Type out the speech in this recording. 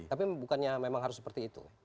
tapi bukannya memang harus seperti itu